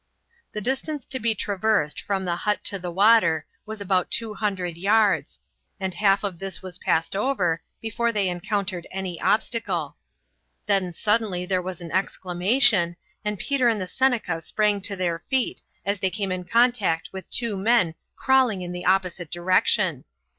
The distance to be traversed from the hut to the water was about two hundred yards, and half of this was passed over before they encountered any obstacle. Then suddenly there was an exclamation, and Peter and the Seneca sprang to their feet, as they came in contact with two men crawling in the opposite direction.